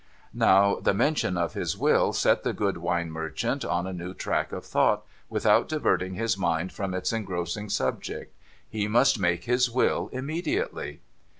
Now, the mention of his will set the good wine merchant on a new track of thought, without diverting his mind from its engrossing subject. He must make his will immediately.